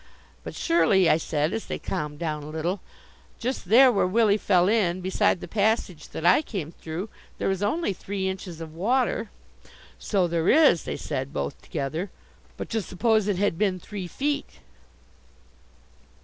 "But surely," I said, as they calmed down a little, "just there where Willie fell in, beside the passage that I came through, there is only three inches of water." "So there is," they said, both together, "but just suppose it had been three feet!"